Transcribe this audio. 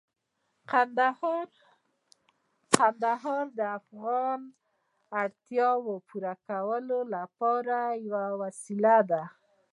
کندهار د افغانانو د اړتیاوو پوره کولو لپاره یوه وسیله ده.